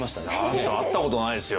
だって会ったことないですよ